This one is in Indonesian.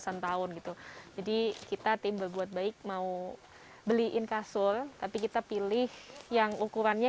kemungkinan kami juga mencarinya banyak banget